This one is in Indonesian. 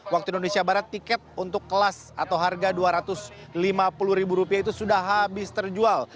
waktu indonesia barat tiket untuk kelas atau harga rp dua ratus lima puluh ribu rupiah itu sudah habis terjual